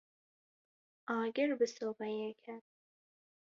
Agir bi sobeyê ket.